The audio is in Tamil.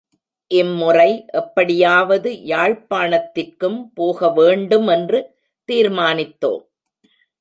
இம்முறை எப்படியாவது யாழ்ப்பாணத்திற்கும் போக வேண்டுமென்று தீர்மானித்தோம்.